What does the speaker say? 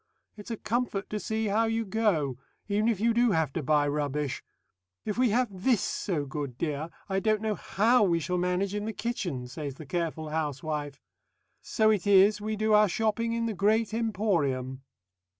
It's a comfort to see how you go, even if you do have to buy rubbish. 'If we have this so good, dear, I don't know how we shall manage in the kitchen,' says the careful housewife.... So it is we do our shopping in the Great Emporium."